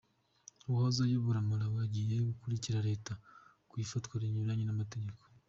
Uwahoze ayobora Malawi agiye gukurikirana Leta ku ifatwa rinyuranyije n’amategeko